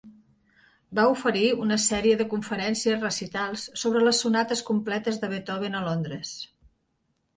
Va oferir una sèrie de conferències-recitals sobre les sonates completes de Beethoven a Londres.